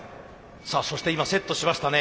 そして今セットしましたね。